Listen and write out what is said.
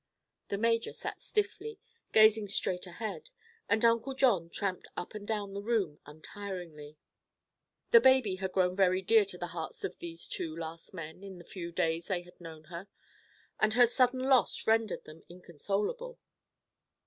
The major sat stiffly, gazing straight ahead, and Uncle John tramped up and down the room untiringly. The baby had grown very dear to the hearts of these last two men in the few days they had known her and her sudden loss rendered them inconsolable.